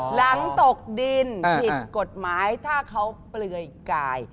หลังตกดินผิดกฎหมายถ้าเขาเปลือยกาย